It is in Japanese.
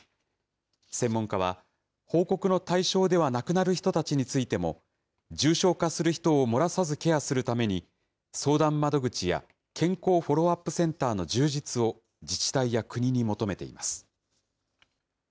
専門家は、報告の対象ではなくなる人たちについても、重症化する人を漏らさずケアするために、相談窓口や健康フォローアップセンターの充実を、自治体や国に求めています。